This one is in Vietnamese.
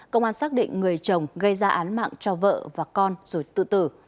công an xác định người chồng gây ra án mạng cho vợ và con rồi tự tử